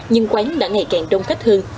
nhưng quán đã ngày càng đông khách hơn